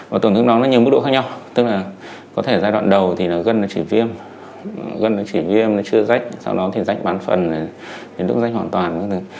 và tổn thương đó nó nhiều mức độ khác nhau tức là có thể giai đoạn đầu thì nó gân nó chỉ viêm gân nó chỉ viêm nó chưa rách sau đó thì rách bán phần đến lúc rách hoàn toàn